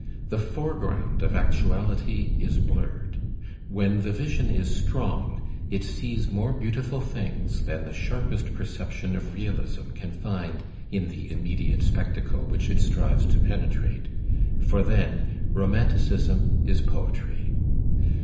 The foreground of actuaUty is blurred. When the vision is strong, it sees more beautiful things than \ the sharpest perception of realism can find in the immediate U spectacle which it strives to penetrate, for then romanticism ^\ is poetry.